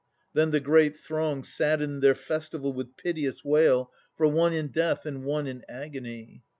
Then the great throng Saddened their festival with piteous wail For one in death and one in agony.